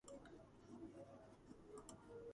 ერთ დღესაც, მამაცი გმირი, პხარმატი გამოჩნდა.